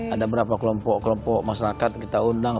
ada berapa kelompok kelompok masyarakat kita undang